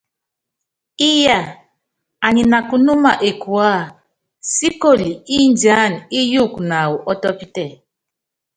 Íyaa, anyi nakunúma ekuea, síkoli ndiána íyuku naawɔ ɔ́tɔ́pítɛ.